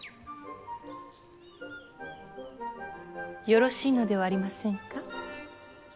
よろしいのではありませんか。